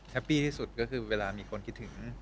ปี้ที่สุดก็คือเวลามีคนคิดถึง